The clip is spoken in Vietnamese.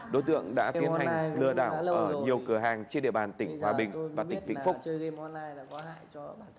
đối tượng đã tiến hành lừa đảo ở nhiều cửa hàng trên địa bàn tỉnh hòa bình và tỉnh vĩnh phúc